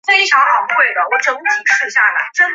你来了啊